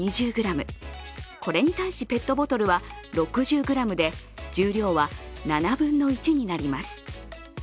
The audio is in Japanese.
これに対しペットボトルは６０ｇで重力は７分の１になります。